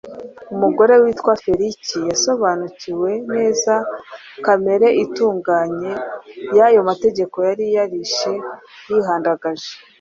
Umugore wa Feliki yasobanukiwe neza kamere itunganye y’ayo mategeko yari yarishe yihandagaje